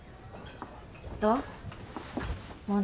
どう？